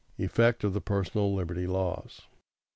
Effect of the personal liberty laws.